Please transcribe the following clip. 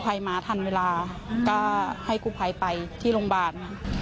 พี่ตกใจไหมตอนนั้น